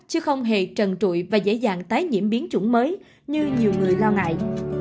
chứ không hề trần trụi và dễ dàng tái nhiễm biến chủng mới như nhiều người lo ngại